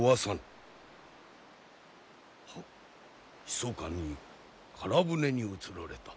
ひそかに唐船に移られた。